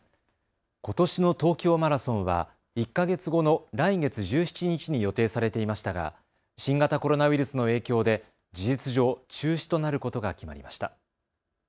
ことしの東京マラソンは１か月後の来月１７日に予定されていましたが新型コロナウイルスの影響で事実上、中止となることが決まりました。